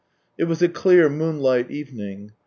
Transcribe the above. It was a clear moonlight evening.